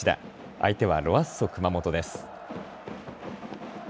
相手はロアッソ熊本です。